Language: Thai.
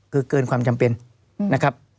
คือเกินความจำเป็นนะครับ